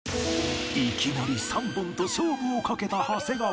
いきなり３本と勝負をかけた長谷川